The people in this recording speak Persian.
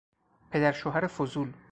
پدر شوهر فضول